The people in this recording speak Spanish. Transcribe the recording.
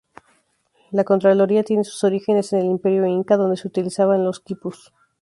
La Contraloría tiene sus orígenes en el Imperio inca, donde se utilizaban los quipus.